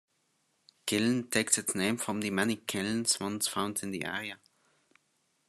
Kiln takes its name from the many kilns once found in the area.